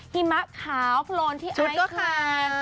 หิมะขาวโครนที่ไอคลีน